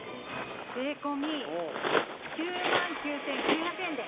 税込９万９９００円で。